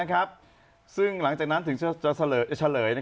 ของใครละ